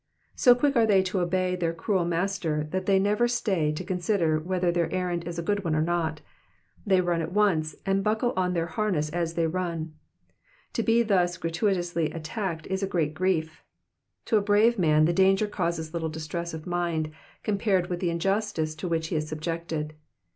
So quick are they to obey their cruel master, that they never stay to consider whether their errand is a good one or not ; they run at once, and buckle on their harness as they run. To be thus gratuitously attacked is a great grief. To a brave man the danger causes little distress of mind compared with the injustice to which he is subjected.